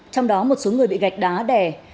trong đó một số người bị gạch đá đè